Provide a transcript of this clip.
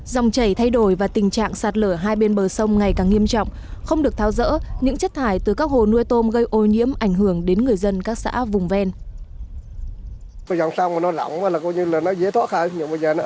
dòng chảy thay đổi và tình trạng sạt lở hai bên bờ sông ngày càng nghiêm trọng không được tháo rỡ những chất thải từ các hồ nuôi tôm gây ô nhiễm ảnh hưởng đến người dân các xã vùng ven